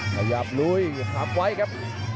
ขยับลุยหักไว้ครับ